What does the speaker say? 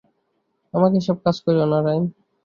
আমাকে এসব কাজ করিও না, রাইম।